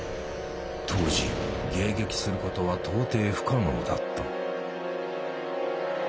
当時迎撃することは到底不可能だった。